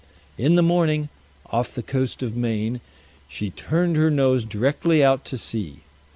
In the morning, off the coast of Maine, she turned her nose directly out to sea.